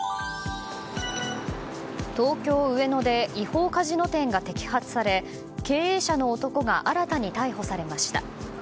東京・上野で違法カジノ店が摘発され経営者の男が新たに逮捕されました。